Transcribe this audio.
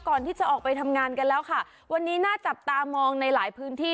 ก่อนที่จะออกไปทำงานกันแล้วค่ะวันนี้น่าจับตามองในหลายพื้นที่